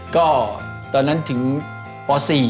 ก็ตอนนั้นถึงป๔